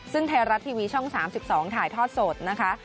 ซึ่งไทยรัฐทีวีช่อง๓๒ถ่ายทอดสดนะคะ